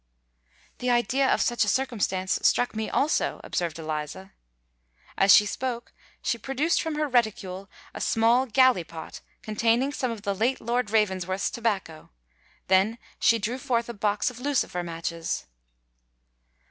"The idea of such a circumstance struck me also," observed Eliza. As she spoke, she produced from her reticule a small galley pot containing some of the late Lord Ravensworth's tobacco: then she drew forth a box of lucifer matches.